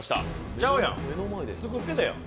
ちゃうやん、作ってたやん。